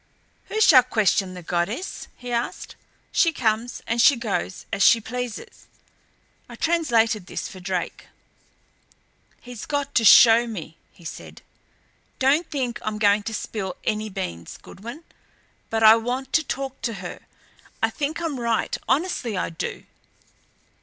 "Who shall question the goddess?" he asked. "She comes and she goes as she pleases." I translated this for Drake. "He's got to show me," he said. "Don't think I'm going to spill any beans, Goodwin. But I want to talk to her. I think I'm right, honestly I do."